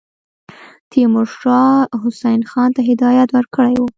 تیمورشاه حسین خان ته هدایت ورکړی وو.